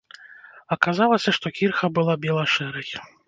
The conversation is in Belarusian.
Аказалася, што кірха была бела-шэрай.